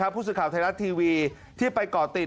ผู้สึกข่าวไทยรัตน์ทีวีที่ไปเกาะติด